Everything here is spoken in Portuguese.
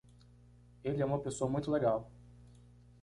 Ele é uma pessoa muito legal.